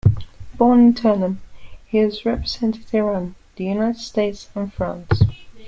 Born in Tehran, he has represented Iran, the United States, and France.